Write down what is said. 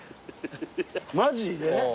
マジで？